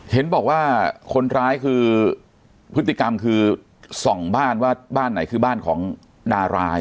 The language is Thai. เห็นบอกว่าคนร้ายคือพฤติกรรมคือส่องบ้านว่าบ้านไหนคือบ้านของนาราย